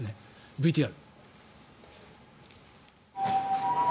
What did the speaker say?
ＶＴＲ。